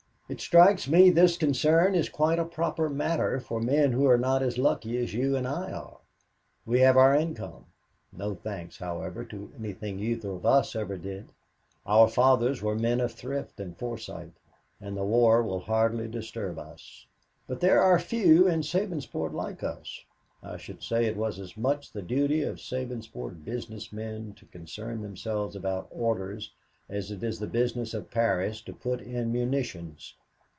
It strikes me this concern is quite a proper matter for men who are not as lucky as you and I are. We have our income; no thanks, however, to anything either of us ever did. Our fathers were men of thrift and foresight, and the war will hardly disturb us. But there are few in Sabinsport like us. I should say it was as much the duty of Sabinsport business men to concern themselves about orders as it is the business of Paris to put in munitions.